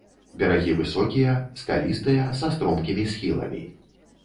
Берагі высокія, скалістыя, са стромкімі схіламі.